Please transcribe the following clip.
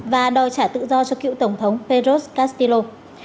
và đòi trả tự do cho cựu tổng thống pedro castillo